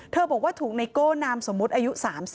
บอกว่าถูกไนโก้นามสมมุติอายุ๓๐